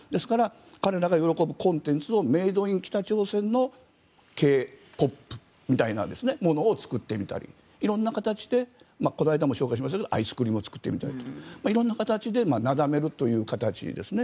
彼らが喜ぶコンテンツをメイド・イン・北朝鮮のＫ−ＰＯＰみたいなものを作ってみたり、色んな形でこの間も紹介しましたがアイスクリームを作ってみたりしてなだめるという形ですね。